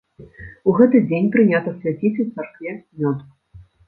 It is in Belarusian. У гэты дзень прынята свяціць у царкве мёд.